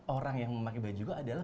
orang yang memakai baju juga adalah